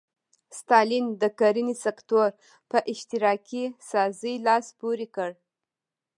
ستالین د کرنې سکتور په اشتراکي سازۍ لاس پورې کړ.